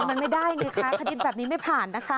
มันไม่ได้ไงคะคณิตแบบนี้ไม่ผ่านนะคะ